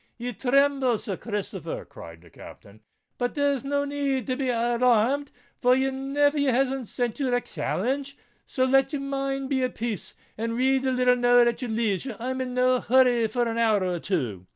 "Ye thrimble, Sir Christopher!" cried the Captain; "but there's no need to be alar r med—for your nev vy hasn't sent ye a challenge. So let your mind be at pace—and read the little note at your leisure. I'm in no hurry for an hour or two."